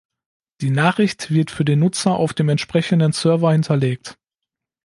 Die Nachricht wird für den Nutzer auf dem entsprechenden Server hinterlegt.